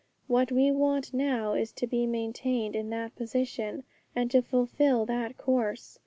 What we want now is to be maintained in that position, and to fulfil that course.